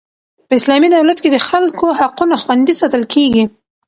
په اسلامي دولت کښي د خلکو حقونه خوندي ساتل کیږي.